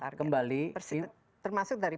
saya rasa kembali termasuk dari